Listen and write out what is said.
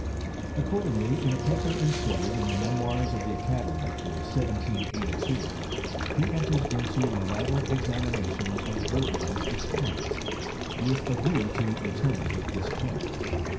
Accordingly, in a paper inserted in the Memoirs of the Academy, for 1782, he enters into an elaborate examination of Bergman's experiments, with a view to determine this point.